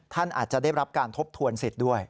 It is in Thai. ท่านอาจจะได้รับการทบทวนสิทธิ์ด้วย